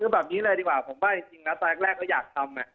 คือแบบนี้เลยดีกว่าผมว่าจริงนะตอนแรกก็อยากทำ